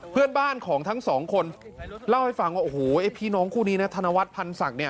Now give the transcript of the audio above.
เพื่อนบ้านของทั้งสองคนเล่าให้ฟังว่าโอ้โหไอ้พี่น้องคู่นี้นะธนวัฒนพันธ์ศักดิ์เนี่ย